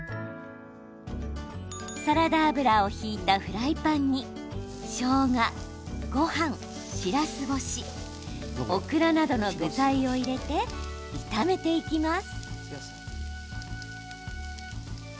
サラダ油を引いたフライパンにしょうが、ごはん、しらす干しオクラなどの具材を入れて炒めていきます。